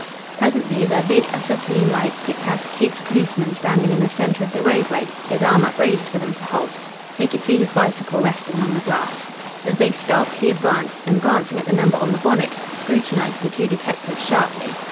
Presently their big acetylene lights picked out a caped policeman standing in the centre of the roadway, his arm upraised for them to halt. They could see his bicycle resting on the grass. As they stopped, he advanced and, glancing at the number on the bonnet, scrutinised the two detectives sharply.